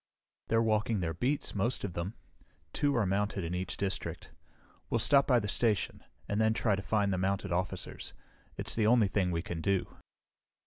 "They're walking their beats, most of them. Two are mounted in each district. We'll stop by the station, and then try to find the mounted officers. It's the only thing we can do."